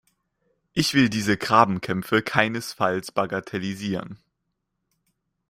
Ich will diese Grabenkämpfe keinesfalls bagatellisieren.